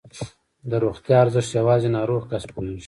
د روغتیا ارزښت یوازې ناروغ کس پوهېږي.